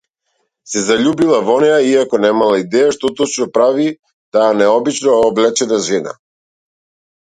Се заљубила во неа, иако немала идеја што точно прави таа необично облечена жена.